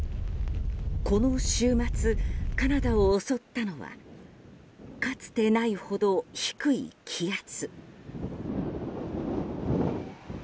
この週末、カナダを襲ったのはかつてないほど低い気圧。